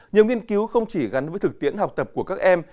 nhiều nghiên cứu không chỉ gắn với thực tiễn học tập của các em